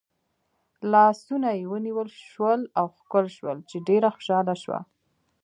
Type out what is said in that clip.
لاسونه یې ونیول شول او ښکل شول چې ډېره خوشحاله شوه.